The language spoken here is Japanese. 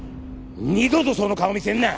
二度とその顔見せんな。